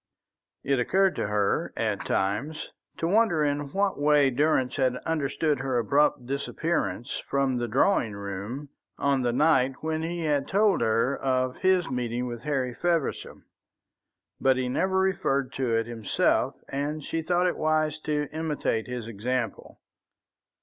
It occurred to her at times to wonder in what way Durrance had understood her abrupt disappearance from the drawing room on the night when he had told her of his meeting with Harry Feversham. But he never referred to it himself, and she thought it wise to imitate his example.